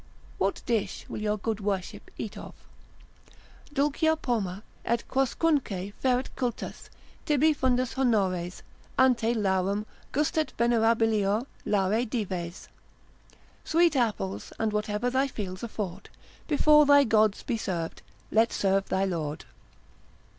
——— What dish will your good worship eat of? ———dulcia poma, Et quoscunque feret cultus tibi fundus honores, Ante Larem, gustet venerabilior Lare dives. Sweet apples, and whate'er thy fields afford, Before thy Gods be serv'd, let serve thy Lord.